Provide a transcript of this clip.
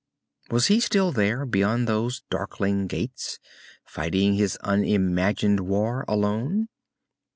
Was he still there beyond those darkling gates, fighting his unimagined war, alone?